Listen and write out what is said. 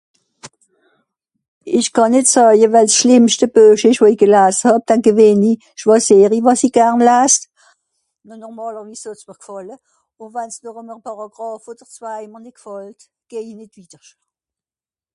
Ìch kànn nìt soeje, well s'schlìmmschte Buech ìsch, wo i gelase hàb, dann gewìhnli, schwàsìer i wàs i garn las. Dànn normàlerwiss soll's mr gfàlle. Ùn wann's mr noch eme Pàràgràphe odder zwei mr nìt gfàllt, geh i nìt wittersch.